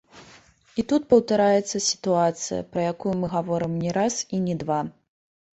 І тут паўтараецца сітуацыя, пра якую мы гаворым не раз, і не два!